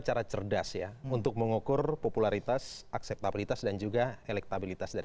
cara cerdas ya untuk mengukur popularitas akseptabilitas dan juga elektabilitas dari